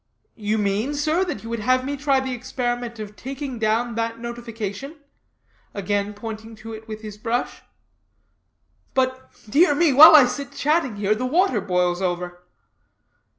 "You mean, sir, you would have me try the experiment of taking down that notification," again pointing to it with his brush; "but, dear me, while I sit chatting here, the water boils over."